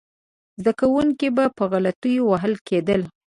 زده کوونکي به په غلطیو وهل کېدل.